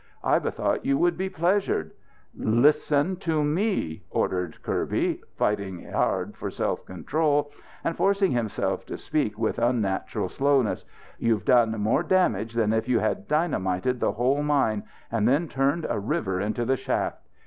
I bethought you would be pleasured " "Listen to me!" ordered Kirby, fighting hard for self control and forcing himself to speak with unnatural slowness. "You've done more damage than if you had dynamited the whole mine and then turned a river into the shaft.